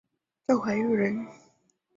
赵怀玉人。